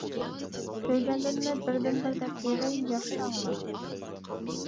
كۆرگەنلىرىمنى بىردىنبىر دەپ بېرەي، ياخشى ئاڭلا!